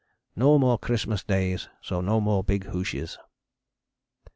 [No more Christmas Days, so no more big hooshes.